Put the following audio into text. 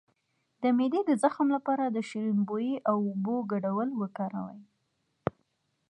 د معدې د زخم لپاره د شیرین بویې او اوبو ګډول وکاروئ